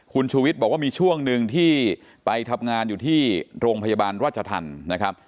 คุณชูวิทย์บอกว่ามีช่วงหนึ่งที่ไปทำงานอยู่ที่โรงพยาบาลราชธรรมนะครับ